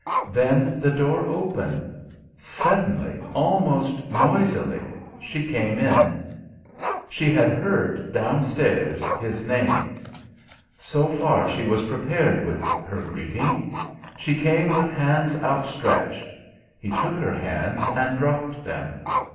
Then the door opened. Suddenly, almost noisily, she came in. She had heard, downstairs, his name. So far she was prepared with her greeting. She came with hands out stretched he took her hands and dropped them.